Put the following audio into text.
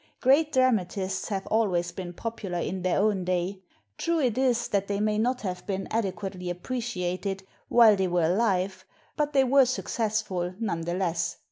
Great dramatists have always been popular in their own day. True it is that they may not have been adequately appreciated while they were alive, but they were successful, none the less.